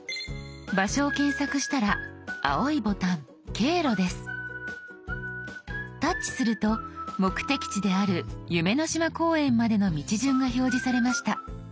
場所を検索したら青いボタン「経路」です。タッチすると目的地である夢の島公園までの道順が表示されました。